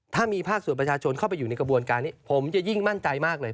ถ้ามีภาคส่วนประชาชนเข้าไปอยู่ในกระบวนการนี้ผมจะยิ่งมั่นใจมากเลย